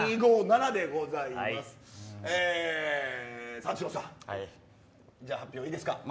三四郎さん、発表いいですか。